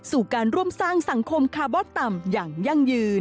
การร่วมสร้างสังคมคาร์บอนต่ำอย่างยั่งยืน